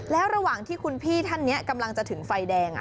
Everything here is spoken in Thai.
แล้วระหว่างที่คุณพี่ท่านนี้กำลังจะถึงไฟแดง